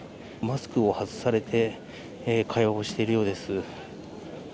マスクを外されて会話をしているようです。